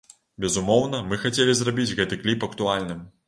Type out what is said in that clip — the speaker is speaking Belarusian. Безумоўна, мы хацелі зрабіць гэты кліп актуальным.